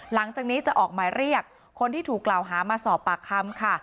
หลังจากนี้จะออกหมายเรียกคนที่ถูกกล่าวหามาสอบปากคำค่ะ